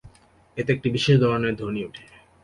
এতে একটি বিশেষ ধরনের ধ্বনি ওঠে।